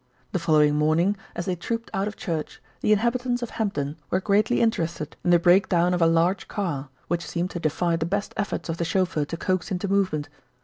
The following morning, as they trooped out of church, the inhabitants of Hempdon were greatly interested in the break down of a large car, which seemed to defy the best efforts of the chauffeur to coax into movement.